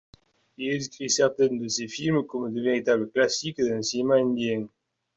Il inscrit certains de ces films comme de véritable classique dans le cinéma indien.